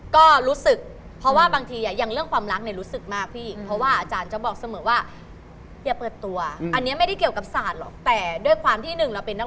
คือรู้ไหมว่าจ้านี่สายมูมาก